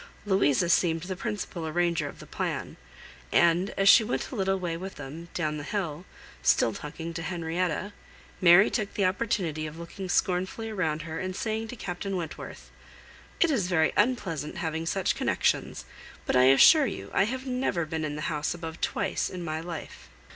Louisa seemed the principal arranger of the plan; and, as she went a little way with them, down the hill, still talking to Henrietta, Mary took the opportunity of looking scornfully around her, and saying to Captain Wentworth— "It is very unpleasant, having such connexions! But, I assure you, I have never been in the house above twice in my life."